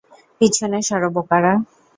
পিছনে সরো, বোকারা।